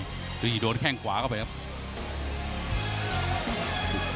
พี่ชิชชิโดนแข้งขวากลับไปครับ